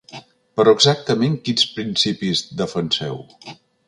Però exactament quins principis defenseu?